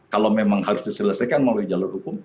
kalau memang harus diselesaikan melalui jalur hukum